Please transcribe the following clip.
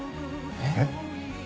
えっ？